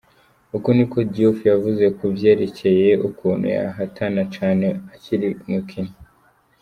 Uko niko Diouf yavuze ku vyerekeye ukuntu yahatana cane akiri umukinyi.